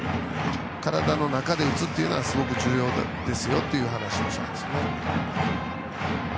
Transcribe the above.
体の中で打つのはすごく重要ですよと話をしたんです。